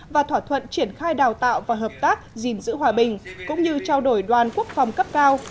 và thỏa thuận triển khai đào tạo và hợp tác gìn giữ hòa bình cũng như trao đổi đoàn quốc phòng cấp cao